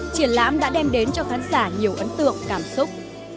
triển lãm đã đem đến cho khán giả nhiều ấn tượng cảm xúc